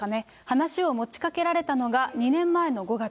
話を持ちかけられたのが、２年前の５月。